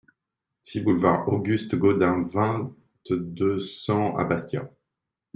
six boulevard Auguste Gaudin, vingt, deux cents à Bastia